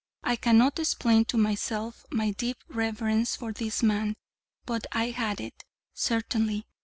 I cannot explain to myself my deep reverence for this man; but I had it, certainly.